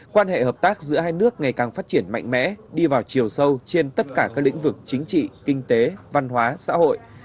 quan hệ hợp tác giữa hai nước ngày càng phát triển mạnh mẽ đi vào chiều sâu trên tất cả các lĩnh vực chính trị kinh tế văn hóa xã hội